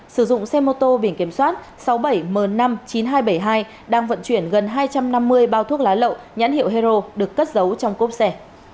sử dụng xe mô tô biển kiểm soát sáu mươi bảy m năm mươi chín nghìn hai trăm bảy mươi hai đang vận chuyển gần hai trăm năm mươi bao thuốc lá lậu nhãn hiệu hero được cất giấu trong cốp xe